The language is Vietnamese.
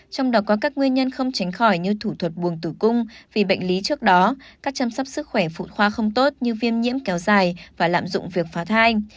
trong đó có các nguyên nhân không tránh khỏi như thủ thuật buồn tử cung vì bệnh lý trước đó các chăm sóc sức khỏe phụ khoa không tốt như viêm nhiễm kéo dài và lạm dụng việc phá thai